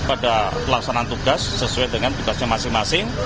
pada pelaksanaan tugas sesuai dengan tugasnya masing masing